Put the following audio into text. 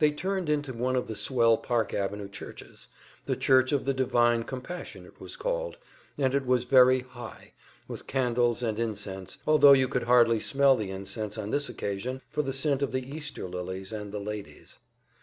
They turned into one of the swell Park Avenue churches; the Church of the Divine Compassion it was called, and it was very "high," with candles and incense althogh you could hardly smell the incense on this occasion for the scent of the Easter lilies and the ladies.